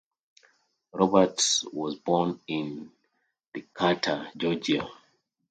Roberts was born in Decatur, Georgia.